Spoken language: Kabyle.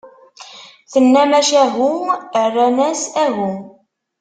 Tenna: "Macahu!" Rran-as: "Ahu."